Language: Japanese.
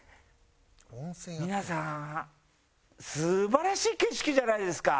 皆さん素晴らしい景色じゃないですか。